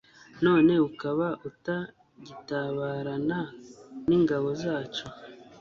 none ukaba utagitabarana n’ingabo zacu